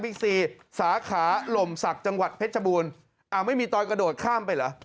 อีกสี่สาขาหล่มศักดิ์จังหวัดเพชรบูรณ์อ้าวไม่มีตอนกระโดดข้ามไปเหรอ